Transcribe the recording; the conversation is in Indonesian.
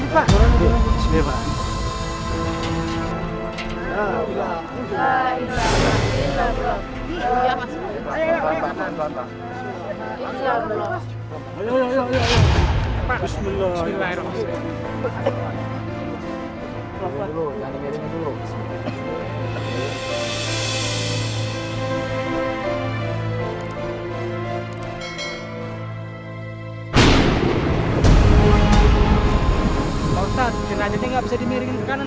pak ustadz jenayah ini gak bisa dimiringin ke kanan